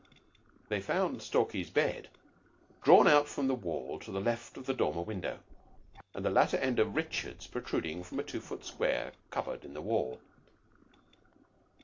They found Stalky's bed drawn out from the wall to the left of the dormer window, and the latter end of Richards protruding from a two foot square cupboard in the wall.